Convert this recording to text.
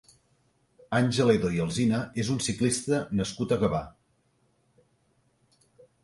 Àngel Edo i Alsina és un ciclista nascut a Gavà.